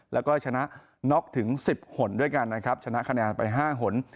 แล้วก็ชนะน็อกถึง๑๐หนด้วยกันนะครับชนะคะแนนไป๕หน